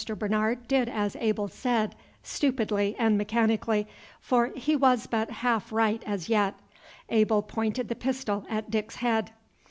Bernard did as Abel said, stupidly and mechanically, for he was but half right as yet. Abel pointed the pistol at Dick's head.